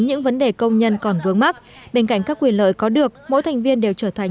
những vấn đề công nhân còn vướng mắt bên cạnh các quyền lợi có được mỗi thành viên đều trở thành